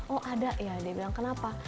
oh ada ya dia bilang kenapa